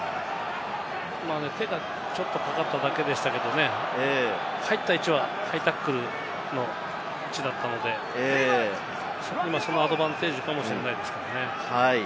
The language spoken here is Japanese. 手がちょっとかかっただけでしたけれどもね、入った位置はハイタックルの位置だったので、今そのアドバンテージかもしれないですね。